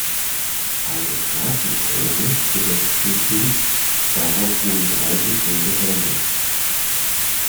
Eine Grafenkrone bedeckt den Schild, darauf ruhen drei gekrönte Helme.